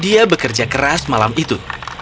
dia bekerja keras malam itu